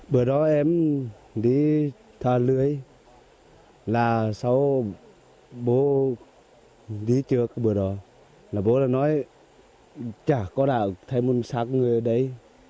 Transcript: bữa đó em đi thả lưới là sau bố đi trước bữa đó là bố đã nói chả có đã thấy một sát người ở đây